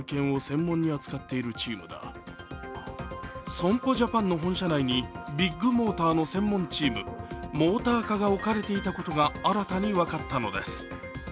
損保ジャパンの本社内にビッグモーターの専門チーム、モーター課が置かれていたことが新たに分かったのです。